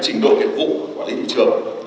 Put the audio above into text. trình độ nghiệp vụ của quản lý thị trường